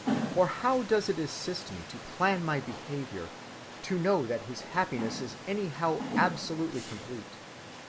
Or how does it assist me to plan my behavior, to know that his happiness is anyhow absolutely complete?